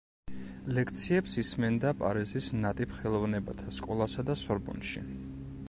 ლექციებს ისმენდა პარიზის ნატიფ ხელოვნებათა სკოლასა და სორბონში.